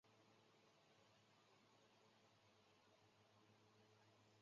阿彭维尔。